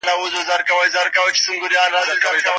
موږ باید خپل خوب سم کړو.